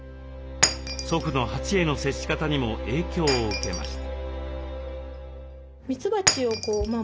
祖父の蜂への接し方にも影響を受けました。